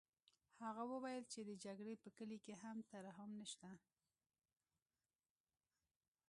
هغه وویل چې د جګړې په کلي کې ترحم نشته